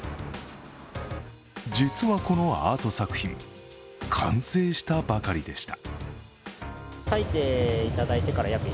実はこのアート作品完成したばかりでした。